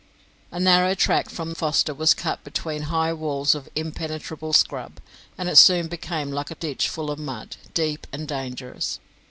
A narrow track from Foster was cut between high walls of impenetrable scrub, and it soon became like a ditch full of mud, deep and dangerous.